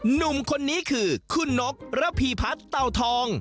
หนุ่มคนนี้คือคุณนกระพีพัฒน์เตาทอง